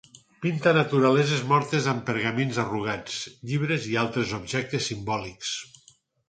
Pinta naturaleses mortes amb pergamins arrugats, llibres i altres objectes simbòlics.